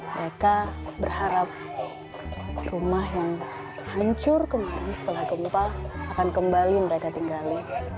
mereka berharap rumah yang hancur kemarin setelah gempa akan kembali mereka tinggali